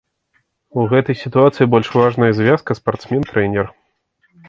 У гэтай сітуацыі больш важная звязка спартсмен-трэнер.